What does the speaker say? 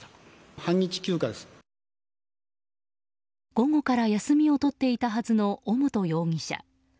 午後から休みを取っていたはずの尾本容疑者。